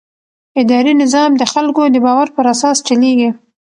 اداري نظام د خلکو د باور پر اساس چلېږي.